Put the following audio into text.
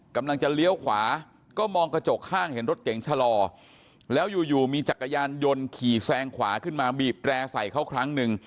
กำลังจะเลี้ยวขวาก็มองกระจกข้างเห็นรถเก๋งชะลอแล้วอยู่อยู่มีจักรยานยนต์ขี่แซงขวาขึ้นมาบีบแร่ใส่เขาครั้งหนึ่ง